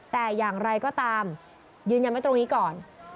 แต่อย่างไรก็ตามยืนยันไว้ตรงนี้ก่อน